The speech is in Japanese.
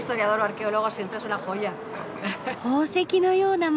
「宝石のような街」